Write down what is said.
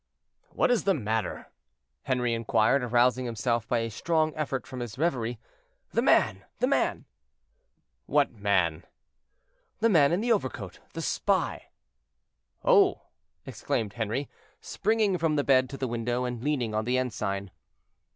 "What is the matter?" Henri inquired, arousing himself by a strong effort from his reverie. "The man! the man!" "What man?" "The man in the overcoat, the spy!" "Oh!" exclaimed Henri, springing from the bed to the window, and leaning on the ensign.